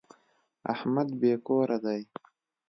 احمد بې کوره دی.